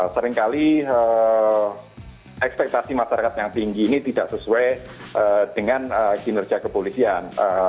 seringkali ekspektasi masyarakat yang tinggi ini tidak sesuai dengan kinerja kepolisian